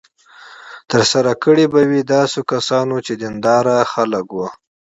ترسره کړې به وي داسې کسانو چې دینداره وګړي وو.